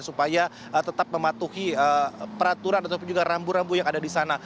supaya tetap mematuhi peraturan ataupun juga rambu rambu yang ada di sana